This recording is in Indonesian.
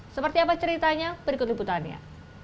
seperti apa ceritanya berikut liputannya